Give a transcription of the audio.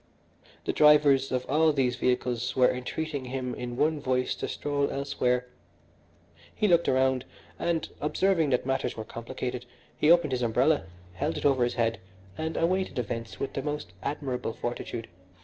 The drivers of all these vehicles were entreating him in one voice to stroll elsewhere. He looked around and, observing that matters were complicated, he opened his umbrella, held it over his head, and awaited events with the most admirable fortitude.